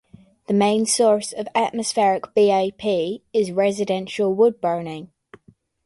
The main source of atmospheric BaP is residential wood burning.